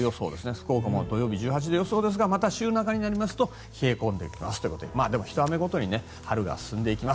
福岡も土曜日、１８度予想ですがまた週半ばになると冷え込んできますということでひと雨ごとに春が進んでいきます。